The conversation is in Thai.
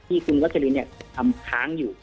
ที่คุณวัชลินทำค้างอยู่